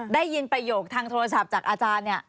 ได้ยินประโยคทางโทรศัพท์จากอาจารย์เนี่ย